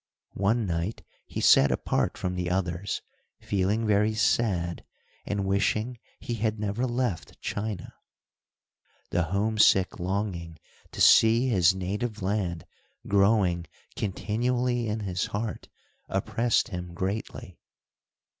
One night he sat apart from the others, feeling very sad, and wishing he had never left China. The homesick longing to see his native land growing continually in his heart, oppressed him greatly.